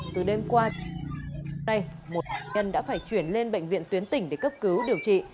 từ đêm qua một nạn nhân đã phải chuyển lên bệnh viện tuyến tỉnh để cấp cứu điều trị